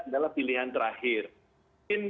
adalah pilihan terakhir mungkin